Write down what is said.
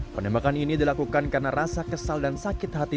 penembakan ini dilakukan karena rasa kesal dan sakit hati